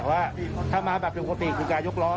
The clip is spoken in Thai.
แต่ว่าถ้ามาแบบปกติคือการยกร้อน